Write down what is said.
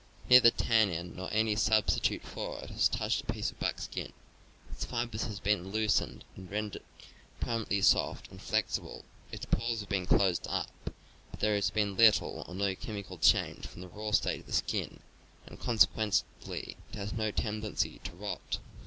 Neither tannin nor any substitute for it has touched a piece of buckskin; its fibers have been loosened and rendered permanently soft and flexible, its pores have been closed up, but there has been little or no chemical change from the raw state of the skin and consequently it has no tendency to rot.